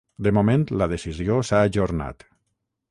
De moment, la decisió s’ha ajornat.